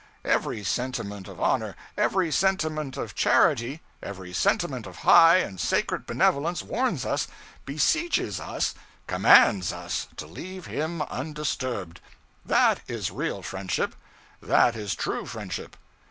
Every sentiment of honor, every sentiment of charity, every sentiment of high and sacred benevolence warns us, beseeches us, commands us to leave him undisturbed. That is real friendship, that is true friendship.